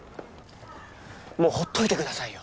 もうほっといてくださいよ。